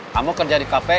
kamu kerja di kafe